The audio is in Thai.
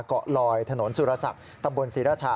เกาะลอยถนนสุรศักดิ์ตำบลศรีราชา